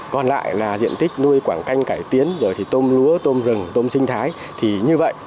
còn lại là diện tích nuôi quảng canh cải tiến rồi thì tôm lúa tôm rừng tôm sinh thái thì như vậy